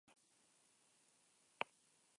Bizian bestelako etapak ere izan ditut.